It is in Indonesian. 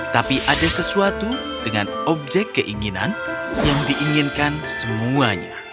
tapi ada sesuatu dengan objek keinginan yang diinginkan semuanya